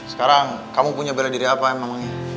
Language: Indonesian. sekarang kamu punya bela diri apa emangnya